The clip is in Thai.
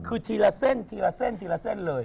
คือทีละเส้นทีละเส้นทีละเส้นเลย